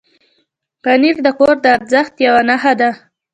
پنېر د کور د ارزښت یو نښه ده.